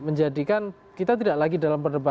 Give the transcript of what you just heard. menjadikan kita tidak lagi dalam perdebatan